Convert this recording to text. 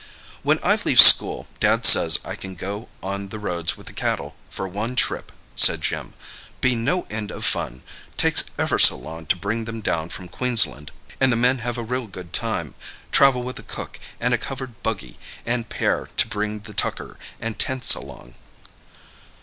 "When I leave school, Dad says I can go on the roads with the cattle for one trip," said Jim. "Be no end of fun—takes ever so long to bring them down from Queensland, and the men have a real good time—travel with a cook, and a covered buggy and pair to bring the tucker and tents along."